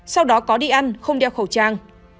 sau đó có đi ăn không đeo khẩu trang